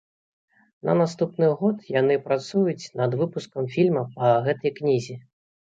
На наступны год яны працуюць над выпускам фільма па гэтай кнізе.